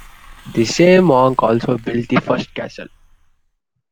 The same monk also built the first castle.